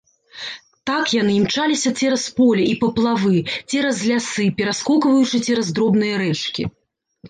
Так яны імчаліся цераз поле і паплавы, цераз лясы, пераскокваючы цераз дробныя рэчкі.